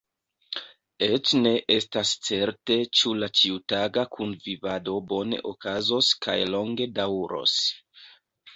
Eĉ ne estas certe ĉu la ĉiutaga kunvivado bone okazos kaj longe daŭros.